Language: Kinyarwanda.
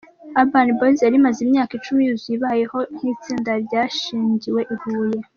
Urban Boyz yari imaze imyaka icumi yuzuye ibayeho nk’itsinda ryashingiwe i Huye.